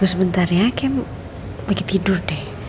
tunggu sebentar ya kayaknya lagi tidur deh